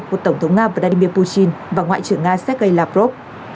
của tổng thống nga vladimir putin và ngoại trưởng nga sergei lavrov